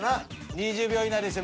２０秒以内ですよ